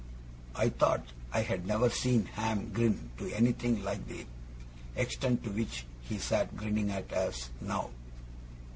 I thought I had never seen Ham grin to anything like the extent to which he sat grinning at us now.